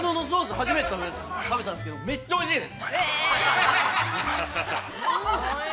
初めて食べたんですけど、めっちゃおいしいです。